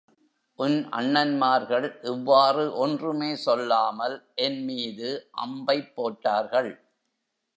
உன் அண்ணன்மார்கள் இவ்வாறு ஒன்றுமே சொல்லாமல் என்மீது அம்பைப் போட்டார்கள்.